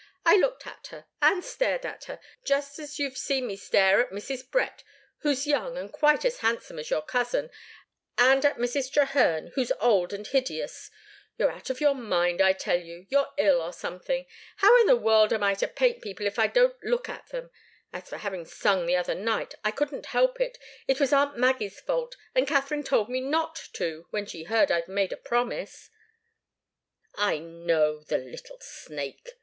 I looked at her, and stared at her, just as you've seen me stare at Mrs. Brett, who's young and quite as handsome as your cousin, and at Mrs. Trehearne, who's old and hideous. You're out of your mind, I tell you! You're ill, or something! How in the world am I to paint people if I don't look at them? As for having sung the other night, I couldn't help it. It was aunt Maggie's fault, and Katharine told me not to, when she heard I'd made a promise " "I know the little snake!"